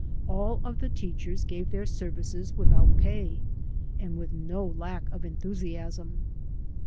All of the teachers gave their services without pay and with no lack of enthusiasm.